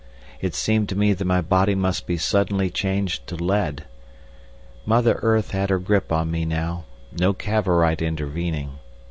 It seemed to me that my body must be suddenly changed to lead. Mother Earth had her grip on me now—no Cavorite intervening.